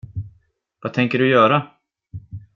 Vad tänker du göra?